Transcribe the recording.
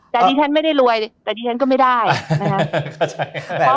เดี๋ยวดิฉันไม่ได้รวยแต่ดีฉันก็ไม่ได้นะฮะ